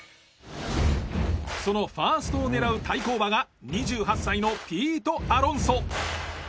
そのファーストを狙う対抗馬が２８歳のピート・アロンソ。